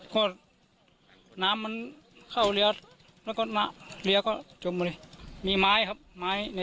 คนอื่นก็ไปกันก็แต่คนหิตหาง